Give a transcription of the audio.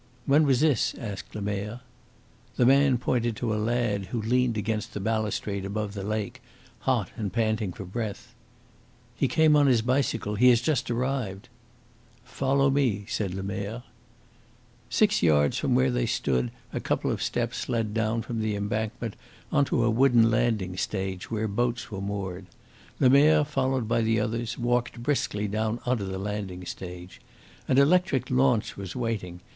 "When was this?" asked Lemerre. The man pointed to a lad who leaned against the balustrade above the lake, hot and panting for breath. "He came on his bicycle. He has just arrived." "Follow me," said Lemerre. Six yards from where they stood a couple of steps led down from the embankment on to a wooden landing stage, where boats were moored. Lemerre, followed by the others, walked briskly down on to the landing stage. An electric launch was waiting.